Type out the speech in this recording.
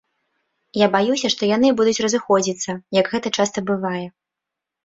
Я баюся, што яны будуць разыходзіцца, як гэта часта бывае.